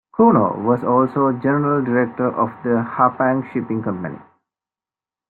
Cuno was also general director of the Hapag shipping company.